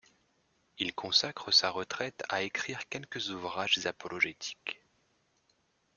Il consacre sa retraite à écrire quelques ouvrages apologétiques.